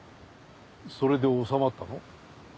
それでおさまったの？